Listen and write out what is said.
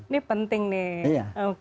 ini penting nih